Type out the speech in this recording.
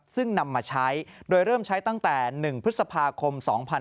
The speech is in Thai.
ซึ่งนำมาใช้โดยเริ่มใช้ตั้งแต่๑พฤษภาคม๒๕๖๒